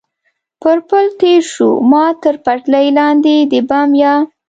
پر پل تېر شو، ما تر پټلۍ لاندې د بم یا.